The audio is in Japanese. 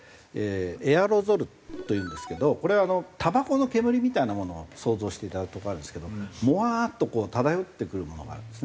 エアロゾルというんですけどこれたばこの煙みたいなものを想像していただくとわかるんですけどモワーッとこう漂ってくるものがあるんですね。